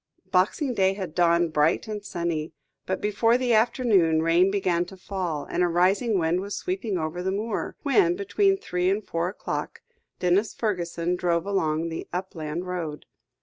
Boxing Day had dawned bright and sunny, but before the afternoon, rain began to fall, and a rising wind was sweeping over the moor, when, between three and four o'clock, Denis Fergusson drove along the upland road.